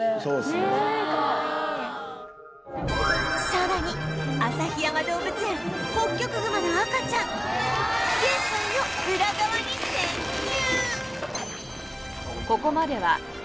さらに旭山動物園ホッキョクグマの赤ちゃん現在のウラ側に潜入！